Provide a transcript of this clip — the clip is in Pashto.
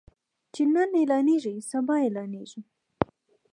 چې نن اعلانيږي سبا اعلانيږي.